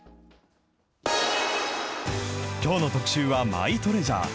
きょうの特集はマイトレジャー。